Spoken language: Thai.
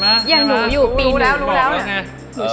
อย่างหนูอยู่ปีหนู